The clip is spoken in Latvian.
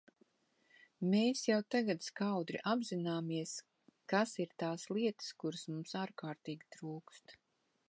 Mēs jau tagad skaudri apzināmies, kas ir tās lietas, kuras mums ārkārtīgi trūkst.